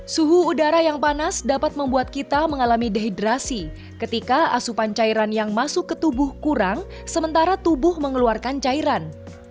suhu udara yang panas dapat membuat kita mengalami dehidrasi ketika asupan cairan yang masuk ke tubuh kurang sementara tubuh mengeluarkan cairan